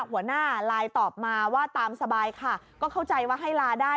หัวหน้าไลน์ตอบมาว่าตามสบายค่ะก็เข้าใจว่าให้ลาได้